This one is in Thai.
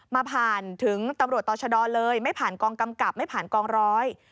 ผ่านถึงตำรวจต่อชะดอเลยไม่ผ่านกองกำกับไม่ผ่านกองร้อย